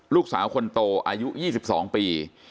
ลูกสาวคนโตอายุ๒๒ปี